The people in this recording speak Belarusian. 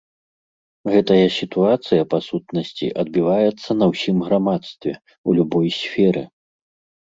Гэтая сітуацыя па сутнасці адбіваецца на ўсім грамадстве, у любой сферы.